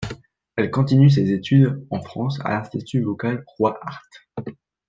Elle continue ses études en France à l'institut vocal Roy Hart.